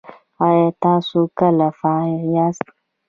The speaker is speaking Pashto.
ایا تاسو کله فارغ یاست؟